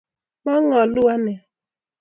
Mangaaluu ane